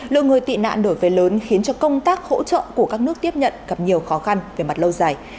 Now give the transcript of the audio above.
lượng người tị nạn đổi về lớn khiến cho công tác hỗ trợ của các nước tiếp nhận gặp nhiều khó khăn về mặt lâu dài